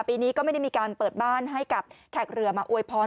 ปีนี้ก็ไม่ได้มีการเปิดบ้านให้กับแขกเรือมาอวยพร